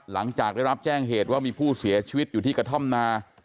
หลังจากได้รับแจ้งเหตุว่ามีผู้เสียชีวิตอยู่ที่กระท่อมนา